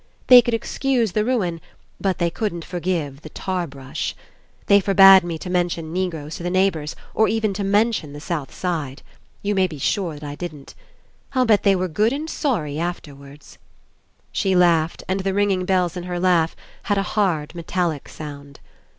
They could excuse the ruin, but they couldn't forgive the tar brush. They forbade me to mention Negroes to the neighbours, or even to mention the south side. You may be sure that I didn't. I'll bet they were good and sorry afterwards." She laughed and the ringing bells In her laugh had a hard metallic sound.